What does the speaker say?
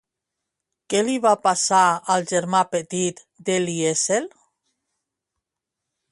Què li va passar al germà petit de Liesel?